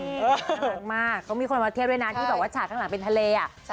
น่ารักมากเขามีคนมาเทียบด้วยนะที่แบบว่าฉากข้างหลังเป็นทะเล